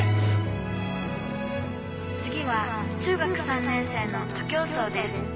「次は中学３年生の徒競走です。